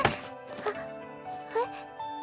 あっえっ？